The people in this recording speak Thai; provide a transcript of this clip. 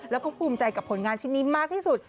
แล้วก็ภูมิใจกับผลงานชิ้นนี้มากที่สุด